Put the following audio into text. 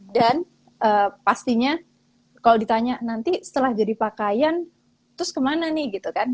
dan pastinya kalau ditanya nanti setelah jadi pakaian terus kemana nih gitu kan